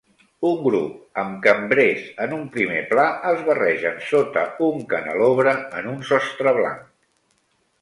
Un grup amb cambrers en un primer pla, es barregen sota un canelobre en un sostre blanc.